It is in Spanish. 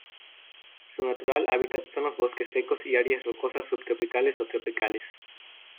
Su natural hábitat son los bosques secos y áreas rocosas subtropicales o tropicales.